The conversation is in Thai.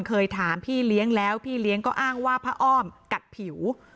เคยถามพี่เลี้ยงแล้วพี่เลี้ยงก็อ้างว่าพระอ้อมกัดผิว